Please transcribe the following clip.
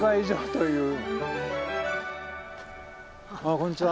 こんにちは。